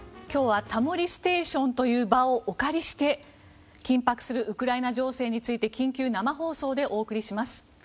今日は「タモリステーション」という場を、お借りして緊迫するウクライナ情勢について緊急生放送でお送りします。